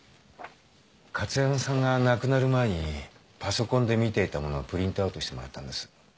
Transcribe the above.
加津山さんが亡くなる前にパソコンで見ていたものをプリントアウトしてもらったんです。